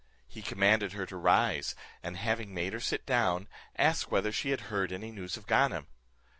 He commanded her to rise, and having made her sit down, asked whether she had heard any news of Ganem?